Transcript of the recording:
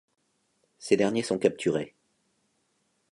Ces derniers sont capturés.